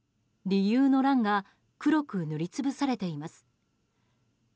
理由の欄が黒く塗り潰されています。